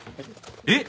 えっ！？